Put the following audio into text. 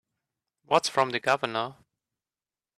What's from the Governor?